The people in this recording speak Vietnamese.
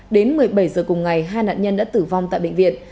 đến một mươi bảy h cùng ngày hai nạn nhân đã tử vong tại bệnh viện